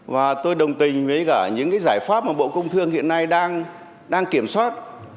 và tôi đồng tình với cả những giải pháp mà bộ công thương hiện nay đang kiểm soát